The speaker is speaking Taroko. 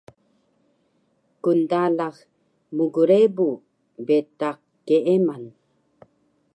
Kndalax mgrebu betaq keeman